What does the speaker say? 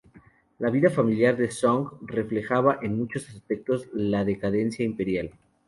La vida familiar de Song reflejaba en muchos aspectos la decadencia imperial.